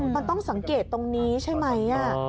มันต้องสังเกตตรงนี้ใช่ไหม